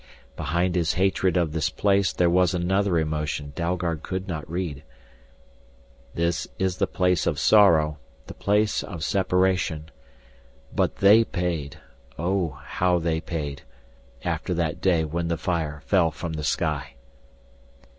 Behind his hatred of this place there was another emotion Dalgard could not read. "This is the place of sorrow, the place of separation. But they paid oh, how they paid after that day when the fire fell from the sky."